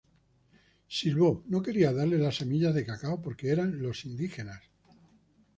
Sibö no quería darle las semillas de cacao porque eran los indígenas.